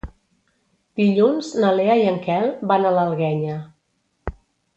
Dilluns na Lea i en Quel van a l'Alguenya.